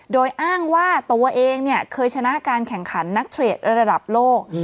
โดยอ้างว่าตัวเองเคยชนะการแข่งขันนักเทรดระดับโลก